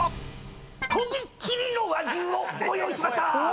飛び切りの和牛をご用意しました！